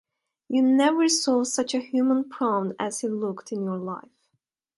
You never saw such a human prawn as he looked, in your life.